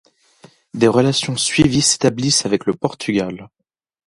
Des relations suivies s’établissent avec le Portugal.